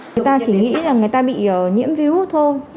người ta chỉ nghĩ là người ta bị nhiễm virus thôi